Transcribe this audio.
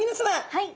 はい！